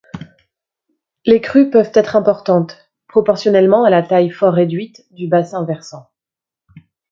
Les crues peuvent être importantes, proportionnellement à la taille fort réduite du bassin versant.